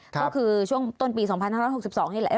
ก็คือช่วงต้นปี๒๕๖๒นี่แหละ